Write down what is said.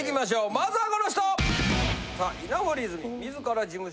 まずはこの人！